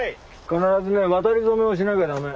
必ずね渡り初めをしなきゃ駄目。